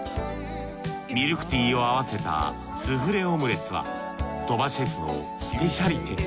ミルクティーを合わせたスフレオムレツは鳥羽シェフのスペシャリテ。